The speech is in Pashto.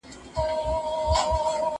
زه پرون د سبا لپاره د هنرونو تمرين کوم!؟